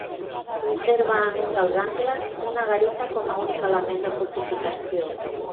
Conserva, en un dels angles, una garita com a únic element de fortificació.